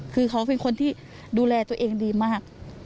คือเขาเป็นคนที่ดูแลตัวเองดีมาก